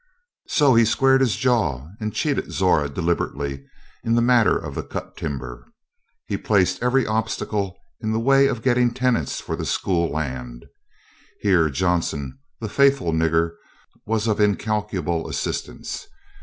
So he squared his jaw and cheated Zora deliberately in the matter of the cut timber. He placed every obstacle in the way of getting tenants for the school land. Here Johnson, the "faithful nigger," was of incalculable assistance.